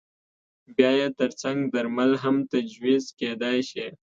بیا یې ترڅنګ درمل هم تجویز کېدای شي.